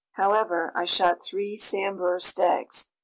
However, I shot three sambur stags.